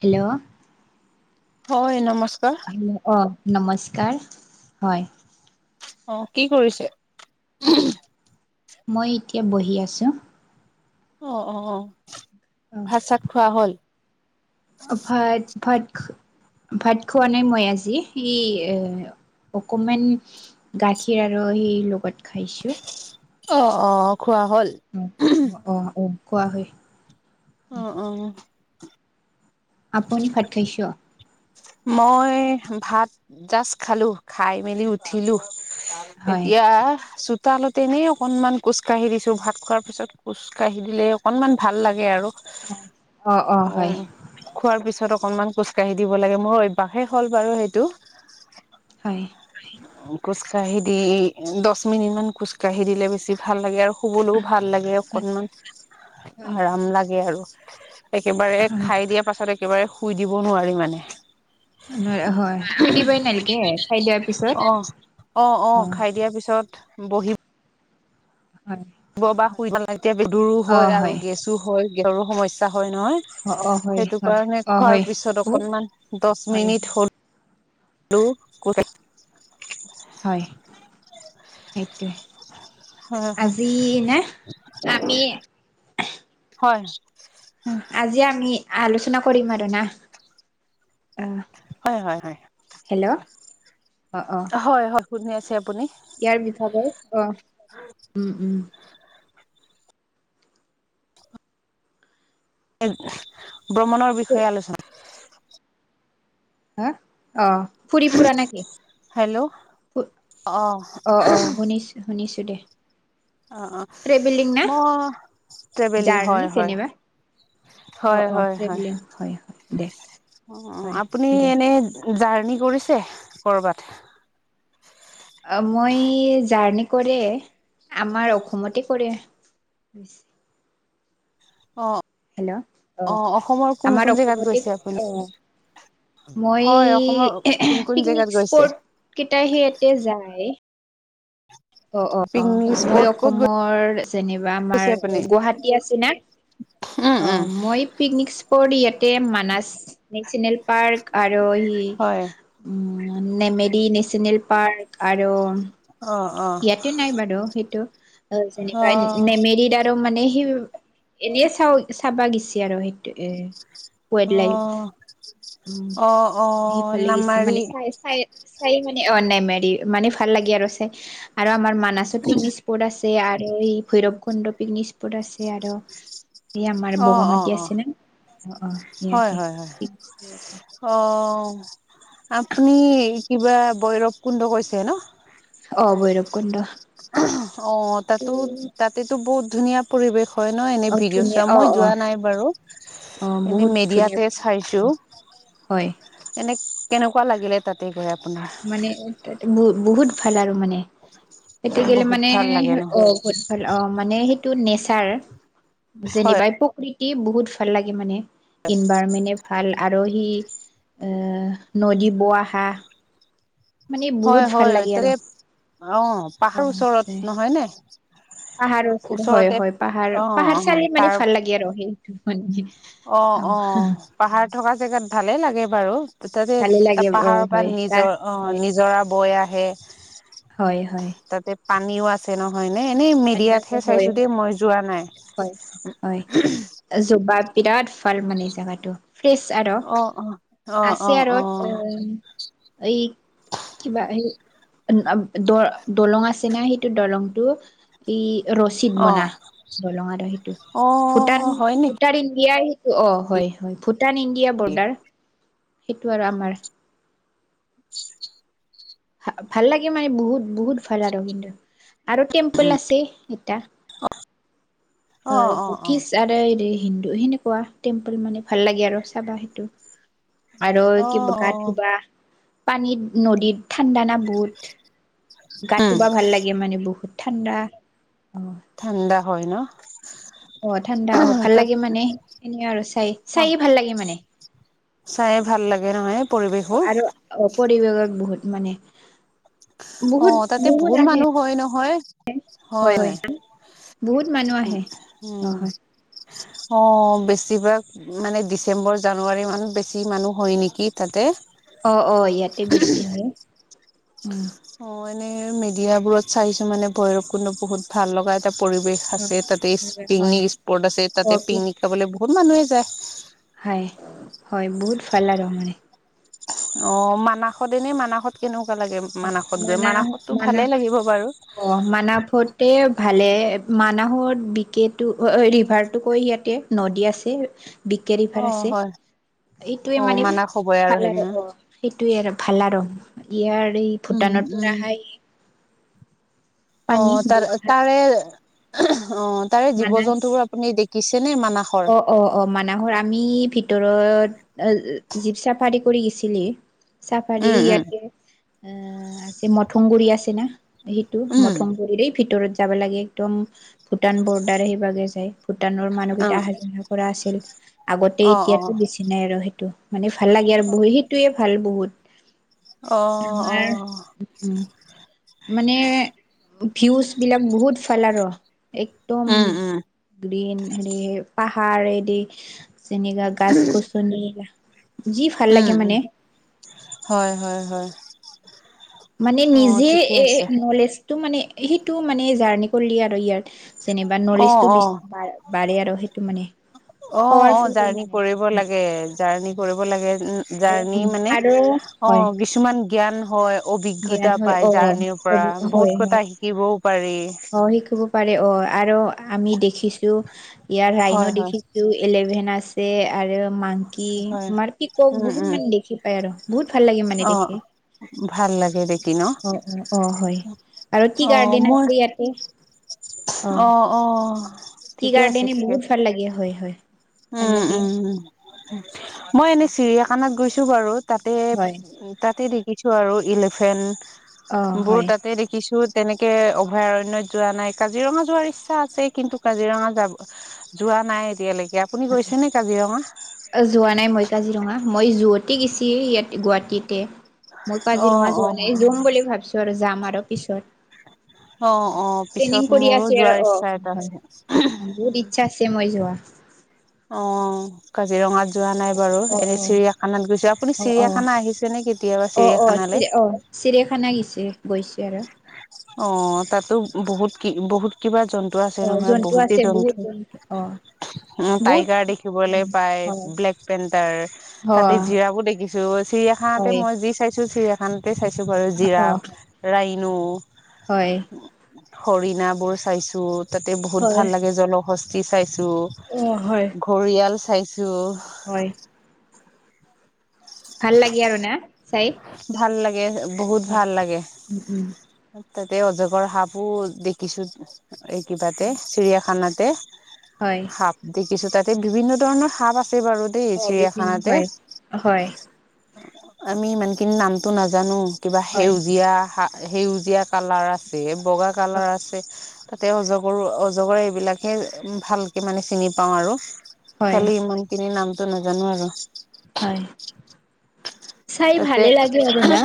Hello হয় নমস্কাৰ hello অ নমস্কাৰ হয় অ কি কৰিছে মই এতিয়া বহি আছোঁ। অ অ ভাত চাত খোৱা হ'ল ভাত ভাত ভাত খোৱা নাই মই আজি এই এ অকমান গাখীৰ আৰু সেই লগত খাইছো অহ অ খোৱা হ'ল অ অ কোৱা হয় অ অ আপুনি ভাত খাইছ? মই ভাত জাষ্ট খালো খাই মেলি উঠিলো। হয় এতিয়া চো তালতে এনেই অকনমান খোজ কাঢ়ি দিছো ভাত খোৱাৰ পিছত খোজ কাঢ়ি দিলে অকনমান ভাল লাগে আৰু অ খোৱাৰ পিছত অ কনমান খোজ কঢ়ি দিব লাগে মোৰ অভ্যাসে হ'ল বাৰু সেইটো হয় [unintelligible] খোজকাঢ়ি দি দহ মিনিটমান খোজকাঢ়ি দিলে বেছি ভাল লাগে আৰু শুবলৈও ভাল লাগে হয় অকণমান হয় আৰাম লাগে আৰু একেবাৰে খাই দিয়াৰ পাছত একেবাৰে শুই দিব নোৱাৰি মানে ন হয় খুই দিবই নালগে খাই দিয়াৰ পিছত অ', অ অ খাই দিয়াৰ পিছত বহি হয় ব বা হয় শুই নালাগে এতিয়া বিদুৰো হয় আৰু গেছো হয় গেছৰো সমস্যা হয় নহয় অ হয় সেইটো হয় কাৰণে অ খোৱাৰ হয় পিছত বহুত অকনমান দহ হয় মিনিট হ'ল আৰু ক হয় সেইটোৱে হয়, আজি নে আমিয়ে হয় আজি আমি আলোচনা কৰিম আৰু না অ হয় হয় হয় হেল্ল' অ অ হয় হয় শুনি আছে আপুনি। ইয়াৰ পিছতে অহ উম উম ভ্ৰমণৰ বিষয়ে আলোচনা হা অ ফুৰি ফুৰা নেকি হেল্ল' অ', অ অ শুনিছো শুনিছো দে অ অ ট্ৰেভেলিং না মই ট্ৰেভেলিং জাৰ্ণি হয় হয় যেনিবা অ হয়, অ হয়, হয়, ট্ৰেভেলিং হয় হয় দে অ হয় আপুনি দে এনে জাৰ্ণি কৰিছে কৰবাত অ মই জাৰ্ণি কৰে আমাৰ অসমতে কৰে কৰিছে অ অ অসমৰ কোন আমাৰ কোন জেগাত অসমতে গৈছে কৰে আপুনি অ মই হয় অসমৰ কোন কোন পিকনিক জেগাত গৈছে স্পট কেইটাই সিয়াতে যায়। অ অ অ পিকনিক মই স্পট ক'ত গৈ অসমৰ যেনিবা আমাৰ গৈছে আপুনি গুৱাহাটী আছে না উম অ উম মই পিকনিক স্পট ইয়াতে মানাস নেচনেল পাৰ্ক আৰু হয় উ নেমেৰী নেশচনেল পাৰ্ক আৰু অ অ ইয়াতে নাই বাৰু সেইটো অ যেনিবা নেমেৰিত আৰু মানে এনে চা চাবা গিছে আৰু সেইটো এ ৱাইল্ড লাইফ উ অ অ অ সেইফালে গেছে নামাৰী মানে চাই চাই চাই মানে অ নামেৰি মানে ভাল লাগে ৰছোই আৰু আমাৰ মানসৰ পিকনিক স্পট আছে আৰু এই ভৈৰৱ কণ্ড পিকনিক স্পট আছে আৰু [unintelligible] এই আমাৰ অ অ বগামাটি অ আছে ন। অ অ হয় ইয়াতে হয় হয় অ আপুনি কিবা বৈৰৱ কুণ্ড কৈছে ন। অ ভৈৰৱকুন্দ। অ তাতো তাতেতো বহুত ধুনীয়া পৰিৱেশ হয় ন এনে অ ভিডিঅ' ধুনীয়া চা অ মই অ যোৱা নাই বাৰু অ এনেই বহুত ধুনীয়া মেডিয়াতে চাইছো, হয় এনে কেনেকুৱা লাগিলে তাতে গৈ? আপোনাৰ মানে বহুত ভাল আৰু মানে। সেইটো গলে বহুত মানে ভাল লাগে ন অ বহুত ভাল অ মানে সেই টো নেচাৰ হয় যেনিবা প্ৰকৃতি বহুত ভাল লাগে মানে। ইনভাইৰণমেন্টে ভাল আৰু সি এ নদী বৈ অহা মানে হয় বহুত ভাল হয় লাগে তাতে আৰু। অ পাহাৰ ওচৰত নহয় নে? পাহাৰৰ ওচৰত হয় ওচৰতে -হয় পাহাৰ অ অ -পাহাৰ চালে মানে তাৰ ভাল লাগে আৰু সেইটো মানে। অ অ পাহাৰ থকা জেগাত ভালেই লাগে বাৰু। তাতে ভালে লাগে ত অ পাহাৰৰ পৰা হয় গাছ নিজৰ অ হয় নিজৰা বৈ আহে। হয় হয়। তাতে পানীও আছে নহয়। এানে এনেই পানী আছে মিডিয়াতহে হয় চাইছো দেই মই যোৱা নাই। হয় বিৰাত ভাল মানে জেগাটো। ফ্ৰেছ আৰু অ অ অ অ আছে আৰু অ উ এই কিবা সেই দ দলং আছে না সেইটো দলংটো ই ৰচিদ অ বনা দলং আৰু সেইটো অ ভূটান হয় নেকি ভূটান ইণ্ডিয়াই অ হয় হয় ভূটান ইণ্ডিয়া বৰ্ডাৰ সেইটো আৰু আমাৰ। ভ ভাল লাগে মানে বহুত বহুত ভাল আৰু কিন্তু আৰু টেম্পল উম আছে এটা। অ হয় অ অ কিছ আদৰ দে হিন্দু সেনেকুৱা টেম্পল মানে ভাল লাগে আৰু চাবা সেইটো। আৰু অ কিবা অ গা ধুবা পানীত নদীত ঠাণ্ডা না বহুত। গা উম ধুব ভাল লাগে মানে বহুত ঠাণ্ডা। অ ঠাণ্ডা হয় ন। অ ঠাণ্ডা অ ভাল তাত লাগে মানে এনেও আৰু চাই -চাইও ভাল লাগে মানে। চাই এ ভাল লাগে নহয়। অ পৰিৱেশবোৰ আৰু অ পৰিৱেশত বহুত মানে। অ বহুত তাতে বহুত আহে মানুহ হয় ন। হয় হয়। বহুত মানুহ আহে। অ' হয় অ বেছিভাগ মানে ডিচেম্বৰ জানুৱাৰী মানত বেছি মানুহ হয় নেকি তাতে। অ অ ইয়াতে বেছি হয়। অ এনেই মিডিয়া বোৰত চাইছো মানে ভৈৰৱ কুন্দ বহুত ভাল লগাই থয়। এটা পৰিৱেশ আছে তাতে হয় পিকনিক স্পট আছে তাতে অপি পিকনিক খাবলৈ বহুত মানুহে যায়। হয়- হয় বহুত ভাল লাগে আৰু মানে। অ মানাসত এনে মানাসত কেনেকুৱা লাগে মানাসত গৈ মানাহ মানাসতো মানাহ ভালেই লাগিব বাৰু অ' মানাহতে ভালে মানাহৰ যিটো ৰিভাৰট কৈ ইয়াতে নদী আছে। বেঁকী অ ৰিভাৰ আছে হয় এইটোৱে অ মানে মানাস হবই আৰু ভাল সেইদিনা অ সেইটোয়ে ভাল আৰু ইয়াৰ উম ভূটানৰ পৰা উম অহাই অ তাৰে তাৰে অ তাৰে জীৱ মানাছ জন্তু বোৰ আপুনি দেখিছে? অ অ অ মানাহৰ আমি ভিতৰত জীপ চাফাৰী কৰি গৈছিলি, চাফাৰী ইয়াতে আহ আছে মথংগুৰি আছে না সেইটো মথংগুৰিৰে ভিতৰত। যাব লাগে একদম ভূটান বৰ্ডাৰ আহিবাগে যায় ভূটানৰ মানুহেই এ হাজিৰা কৰা আছিল আগতে এতিয়াতো বেছি নাই আৰু সেইটো। মানে ভাল লাগে আৰু বহুত সেইটোৱে ভাল বহুত। আমাৰ মানে ভিউজ বিলাক বহুত ভাল আৰ একদম গ্ৰীন হেৰি পাহাৰ এ দি। চিনেগা গাছ কচুনেগা উম উম হয় হয় হয়। মানে অ' নিজে ঠিকে এ আছে। নলেজটো মানে সেইটো মানে জাৰ্ণি কৰিলি আৰু ইয়াত যেনিবা অ', নলেজটো অ'। বেছি বাঢ়ে আৰ সেইটো মানে। অ অ পাৱাৰফুল হয় জাৰ্ণি মানে কৰিব লাগে জাৰ্ণি কৰিব লাগে আৰু জাৰ্ণি মানে আৰু অ হয় কিছুমান জ্ঞান হয় জ্ঞান অভিজ্ঞতা হয় পায় অ জাৰ্ণিৰ পৰা হয় বহুত হয় কথা শিকিবও পাৰি। অ শিকিব পাৰে অ আৰু আমি দেখিছো। ইয়াৰ ৰাইনো হয়, হয়, দেখিছো ইলেভেন আছে আৰু মাংকি হয়। মাৰপি কক উম, বহুত উম। মানে দেখি পায় আৰু বহুত ভাল লাগে মানে অ' দেখি ভাল লাগে দেখি ন? অ অ অ হয় আৰু কি অ' গাৰ্ডেন মোৰ আছে ইয়াতে অহ অ', অ'। ঠিকে আছে, কিৰাৰ্ডেনে ঠিকে বহুত ভাল লাগে হয় হয় ভাল উম- লাগে উম। মই এনেই চিৰিয়াখানাত গৈছো বাৰু। তাতে হয় তাতে দেখিছোঁ আৰু এলিফেন্ট অ বোৰ হয় তাতে দেখিছোঁ তেনেকে অভয়াৰণয়ত যোৱা নাই কাজিৰঙা যোৱাৰ ইচ্ছা আছে কিন্তু কাজিৰঙা যাব যোৱা নাই এতিয়ালৈকে আপুনি গৈছে নে কাজিৰঙা যোৱা নাই মই কাজিৰঙা। মই যুৱতে গৈচি ইয়াতে গুৱাহাটীতে মই অ কাজিৰঙা অ যোৱা নাই যাম বুলি ভাবিছো আৰু যাম আৰু পিছত। অ অ ট্ৰেইনিং পিছত কৰি মোৰো আছে আৰু যোৱাৰ অ ইচ্ছা এটা হয় আছে বহুত উম, ইচ্ছা আছে মই যোৱা। অ কাজিৰঙাত যোৱা নাই। বাৰু অ', এনেই অ', চিৰিয়াখানাত গৈছো আপুনি অ', অ', চিৰিয়াখানা আহিছে নে কেতিয়াবা চিৰিয়াখানালে? গৈছ আৰ। অ তাতো বহুত কি বহুত কিবা। জন্তু আছে অ', নহয় জন্তু বহুতেই আছে বহুত জন্তু অ', উ বহুত টাইগাৰ দেখিবলে পাই, অ', ব্লেক পেণ্টাৰ তাতে অ', জিৰাবো দেখিছো। চিৰিয়াখানাতে হয়, মই যি চাইছো চিৰিয়াখানাতে চাইছো বাৰু জিৰাফ, অ', ৰাইনু। হয়। হৰিণা বোৰ চাইছো তাতে বহুত হয়, ভাল লাগে জলহস্তি চাইছো। অ', হয়। ঘৰিয়াল চাইছো। হয়, ভাল লাগে আৰু না চাই। এ বহুত অ', ভাল লাগে উম, উম, তাতে অজগৰ সাপো দেখিছো। এই কিবাতে হয়। চিৰিয়াখানাতে হয়, সাপ দেখিছো তাত তে বিভিন্ন ধৰণৰ সাপ আছে বাৰু দেই অ', বিভিন্ন চিৰিয়াখানাতে। হয়, হয়, আমি ইমানখিনি নামটো নাজানো কিবা হয়, সেউজীয়া সেউজীয়া কালাৰ আছে, বগা হয়। কালাৰ আছে। তাতে অজগৰো অজগৰে এইবিলাকহে ভালকে মানে চিনি পাওঁ আৰু। হয়, খালি ইমানখিনিৰ নামটো নাজানো আৰু। হয় চাই তাতে ভালে লাগে আৰু না।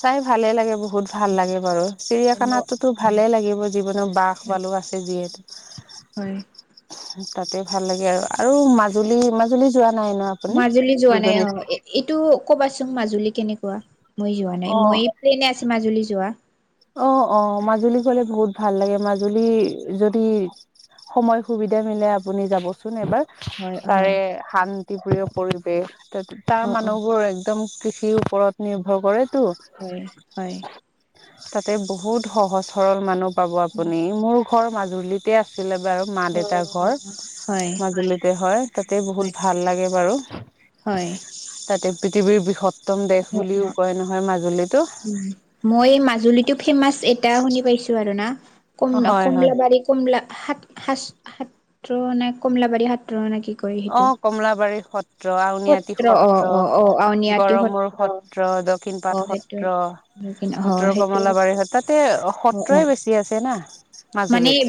চাই ভালে লাগে বহুত। বহুত ভাল লাগে বাৰু চিৰিয়াখানাটোতো ভালে লাগিব যিকোনো বাঘ ভালুক আছে যিহেতু। হয়। তাতে ভাল লাগে আৰু আৰু মাজুলী মাজুলী যোৱা নাই ন আপুনি মাজুলী যোৱা নাই অ উজনিত এইটো কবাচ মাজুলী কেনেকুৱা মই যোৱা নাই অ মই প্লেনে আছে মাজুলী যোৱা। অ অ মাজুলী গলে বহুত ভাল লাগে মাজুলী যদি সময় সুবিধা মিলে আপুনি যাবচোন এবাৰ। হয় তাৰে হয় শান্তি প্ৰিয় পৰিৱেশ। তাৰ অ অ মানুহবোৰ একদম কৃষি সিৰ ওপৰত নিৰ্ভৰ কৰে। হয় হয়। তাতে বহুত সহজ-সৰল মানুহ পাব আপুনি, মোৰ ঘৰ মাজুলীতে আছিলে বাৰু অ মা-দেউতাৰ ঘৰ হয় মাজুলীতে হয়, তাতে হয় বহুত ভাল লাগে বাৰু হয় তাতে পৃথিৱীৰ বৃহত উত্তম দেশ অ বুলিও অ কয় নহয় মাজুলীতটো। মাজুলিটো ফেমাচ এটা শুনি পাইছো আৰু না। কমলা হয় হয় -কমলাবাৰী -কমলা সাত সাচ সাত্ৰ নে কমলাবাৰী সাত্ৰ নেকি? অ কমলাবাৰী সত সত্ৰ, আউনীআটি অ সত্ৰ, অ অ আউনীআটী গড়মূৰ সত্ৰ, দক্ষিণ অ পাট সেইটো সত্ৰ। হয় উত্তৰ সেইটো সত্ৰ কমলাবাৰীৰ সত, তাতে অ অ সত্ৰই বেছি আছে না। মানে মাজুলীত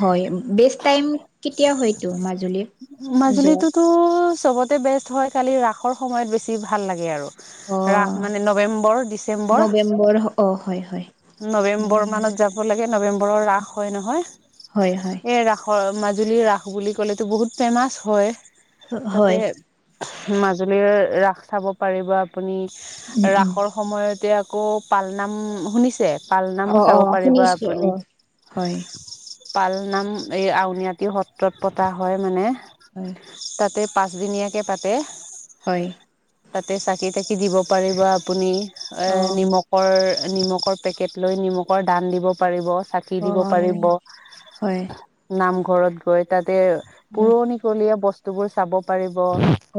হয়, বেচ টাইম কেতিয়া হয়টো মাজুলীৰ? যোৱা মাজুলীটোতো চবতে বেষ্ট হয়, খালি ৰাসৰ সময়ত বেছি ভাল লাগে আৰু। অ ৰাস মানে নৱেম্বৰ, ডিচেম্বৰ। নৱেম্বৰ অ হয় হয় নৱেম্বৰ মানত যাব লাগে, নৱেম্বৰৰ ৰাস হয় নহয়। হয় হয় এ ৰাসৰ মাজুলী ৰাস বুলি ক'লেতো বহুত ফেমাচ হয়। তাতে হয় মাজুলীৰ ৰাস চাব পাৰিব আপুনি। উম উম ৰাসৰ সময়তে আকৌ পালনাম শুনিছে? পালনাম অ অ চাব পাৰিব শুনিছো অ আপুনি। হয় পালনাম এই আউনীআটি সত্ৰত পতা হয় মানে। হয়। তাতে পাঁচদিনীয়াকে পাতে হয়। তাতে চাকি-তাকি দিব পাৰিব আপুনি এ অ নিমকৰ নিমকৰ পেকেট লৈ নিমকৰ দান দিব পাৰিব। চাকি দিব হয় পাৰিব, হয় নামঘৰত গৈ তাতে পুৰণিকলীয়া বস্তুবোৰ চাব পাৰিব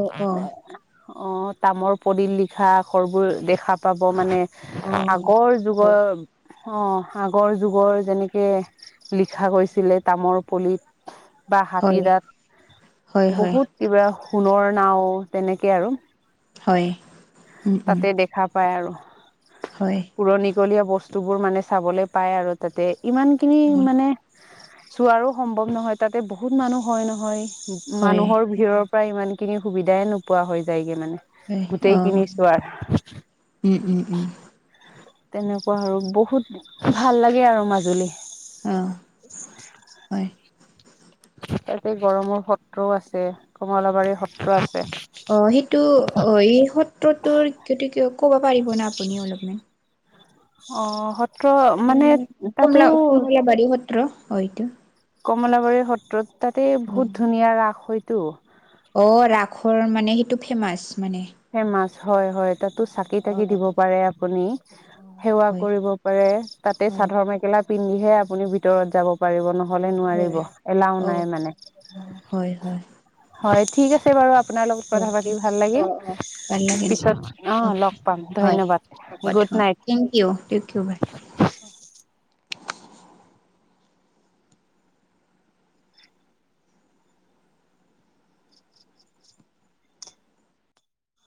অ অ তামৰ পলিদ লিখা আখৰবোৰ দেখা পাব মানে। অ আগৰ যুগৰ হয় অহ, আগৰ যুগৰ যেনেকে লিখা হৈছিলে তামৰ পলিত। বা হয় হাতীৰ দাত, হয় হয় বহুত কিবা সোণৰ নাও, তেনেকে আৰু। হয় উম [inaudible] উম তাতে দেখা পাই আৰু। হয় পুৰণিকলীয়া বস্তু বোৰ মানে চাবলৈ পাই আৰু তাতে ইমানখিনি হয় মানে চোৱাৰো সম্ভৱ নহয় তাতে বহুত মানুহ হয় নহয়। হয় মানুহৰ ভিৰৰ পৰা ইমানখিনি সুবিধাই নোপোৱা হৈ যায়গে মানে। হয় অ গোটেই কিনি চোৱাৰ। উম উম উম তেনেকুৱা আৰু বহুত ভাল লাগে আৰু মাজুলী। অহ, হয়। তাতে গড়মূৰ সত্ৰও আছে কমলাবাৰী সত্ৰ আছে। অহ, সেইটো অহ এই সত্ৰটোৰ সতি কিয় ক'ব পাৰিব নে আপুনি অলপমান? অ', সত্ৰ মানে [unintelligible] তাতো কমলা-কমলাবাৰী সত্ৰ হয়টো কমলাবাৰীৰ সত্ৰত, তাতেই বহুত ধুনীয়া ৰাস হয়তো। অ', ৰাসৰ মানে সেইটো ফেমাচ? মানে। ফেমাচ হয়', হয়, ' তাতো চাকি অ -তাকি দিব পাৰে আপুনি। সেৱা হয় কৰিব পাৰে, তাতে হয় চাদৰ -মেখেলা পিন্ধিহে আপুনি ভিতৰত যাব পাৰিব নহ নহ'লে নোৱাৰিব হয়। এলাও অ নাই মানে। হয় হয় হয় ঠিক আছে বাৰু আপোনাৰ লগত অ কথা ঠিক পাতি আছে ভাল অ লাগিল। অ ভাল লাগিল। পিছত অহ অকে লগ পাম হয় ধন্যবাদ, হ'ব good night. Thank you thank you by. [inaudible]